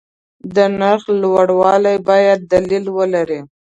د نرخ لوړوالی باید دلیل ولري.